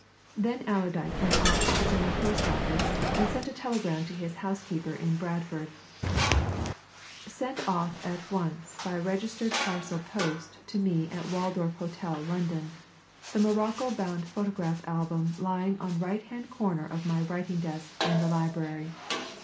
Then Allerdyke went off to the General Post Office and sent a telegram to his housekeeper in Bradford "Send off at once by registered parcel post to me at Waldorf Hotel, London, the morocco bound photograph album lying on right hand corner of my writing desk in the library.